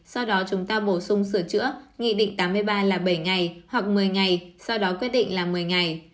sau đó chúng ta bổ sung sửa chữa nghị định tám mươi ba là bảy ngày hoặc một mươi ngày sau đó quyết định là một mươi ngày